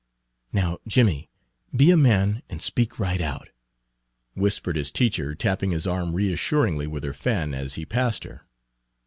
"Now, Jimmie, be a man, and speak right out," whispered his teacher, tapping his arm reassuringly with her fan as he passed her.